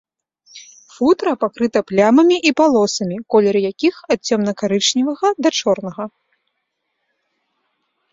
Футра пакрыта плямамі і палосамі, колер якіх ад цёмна-карычневага да чорнага.